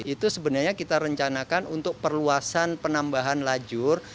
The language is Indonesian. itu sebenarnya kita rencanakan untuk perluasan penambahan lajur